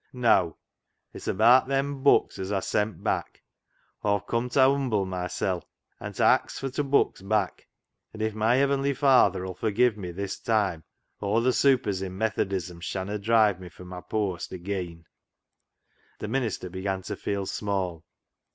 " Neaw. It's abaat them books as Aw sent back. Aw've come ta humble mysel' an' ta ax for t'books back, an' if my Heavenly Father 'ull forgive me this time aw th' * supers ' i' Methodism shanna drive me fro' my pooast ageean." The minister began to feel small.